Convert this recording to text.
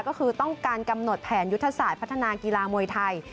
ก็คือต้องการกำหนดแผนยุทธศาสตร์พัฒนากีฬามวยไทย